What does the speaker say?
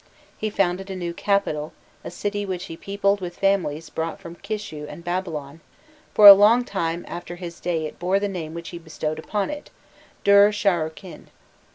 He founded a new capital, a city which he peopled with families brought from Kishu and Babylon: for a long time after his day it bore the name which he bestowed upon it, Dur Sharrukin.